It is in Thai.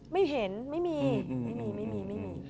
ไม่เห็นไม่มี